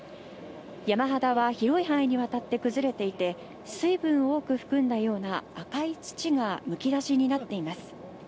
山肌は広い範囲にわたって崩れていて水分を多く含んだような赤い土がむき出しになっています。